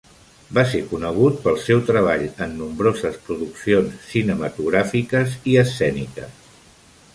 Va ser conegut pel seu treball en nombroses produccions cinematogràfiques i escèniques.